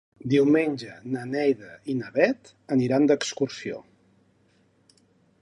Diumenge na Neida i na Bet aniran d'excursió.